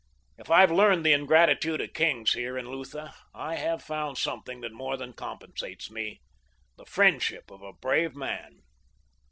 "If I've learned the ingratitude of kings here in Lutha, I have found something that more than compensates me—the friendship of a brave man.